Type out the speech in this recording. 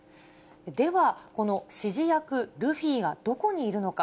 では、この指示役、ルフィはどこにいるのか。